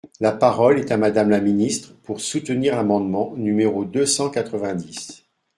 La parole est à Madame la ministre, pour soutenir l’amendement numéro deux cent quatre-vingt-dix.